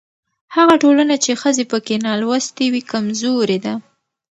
هغه ټولنه چې ښځې پکې نالوستې وي کمزورې ده.